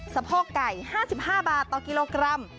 สะโพกไก่๕๕บาทต่อกิโลกรัม